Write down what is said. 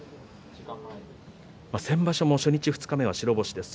先場所も初日、二日目は白星です。